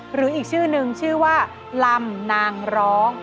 หรืออีกชื่อนึงชื่อว่าลำนางร้อง